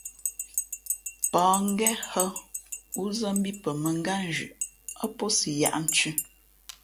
Pα̌h ngén hᾱ wúzά mbí pαmάngátnzhʉꞌ ά pō si yāʼnthʉ̄.